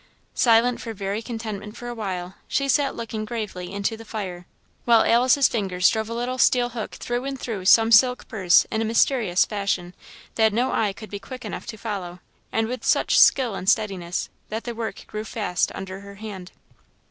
Silent for very contentment for a while, she sat looking gravely into the fire; while Alice's fingers drove a little steel hook through and through some purse silk in a mysterious fashion, that no eye could be quick enough to follow, and with such skill and steadiness, that the work grew fast under her hand.